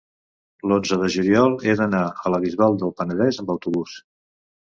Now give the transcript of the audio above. l'onze de juliol he d'anar a la Bisbal del Penedès amb autobús.